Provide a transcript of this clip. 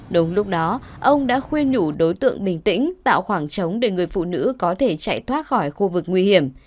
đúng lúc đó ông đã khuyên nhủ đối tượng bình tĩnh tạo khoảng trống để người phụ nữ có thể chạy thoát khỏi khu vực nguy hiểm